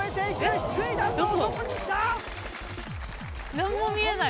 なんも見えない。